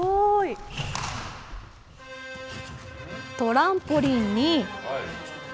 トランポリンに。